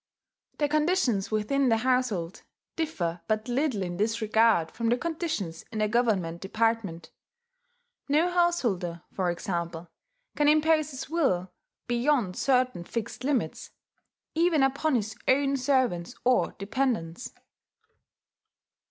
The conditions within the household differ but little in this regard from the conditions in a government department: no householder, for example, can impose his will, beyond certain fixed limits, even upon his own servants or dependents.